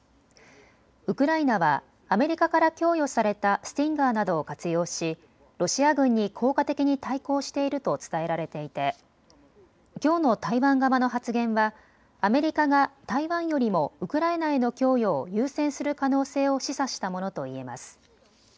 ウクライナはアメリカから供与されたスティンガーなどを活用しロシア軍に効果的に対抗していると伝えられていてきょうの台湾側の発言はアメリカが台湾よりもウクライナへの供与を優先する可能性を示唆したものといえます。